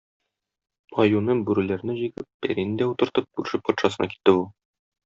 Аюны, бүреләрне җигеп, пәрине дә утыртып, күрше патшасына китте бу.